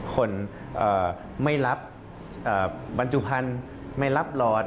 คนไม่รับบรรจุภัณฑ์ไม่รับหลอด